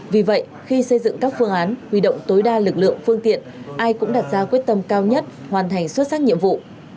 vì vậy khi xây dựng các phương án huy động tối đa lực lượng phương tiện ai cũng đặt ra quyết tâm cao nhất hoàn thành xuất sắc nhiệm vụ